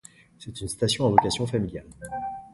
C'est une station à vocation familiale.